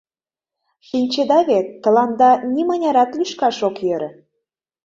Шинчеда вет: тыланда нимынярат лӱшкаш ок йӧрӧ.